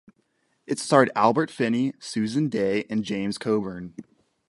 It starred Albert Finney, Susan Dey, and James Coburn.